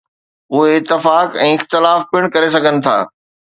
اهي اتفاق ۽ اختلاف پڻ ڪري سگهن ٿا.